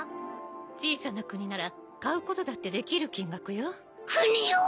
小さな国なら買うことだってできる金額よ。国を！？